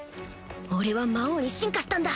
俺は魔王に進化したんだ